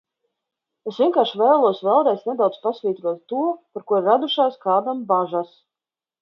Es vienkārši vēlos vēlreiz nedaudz pasvītrot to, par ko ir radušās kādam bažas.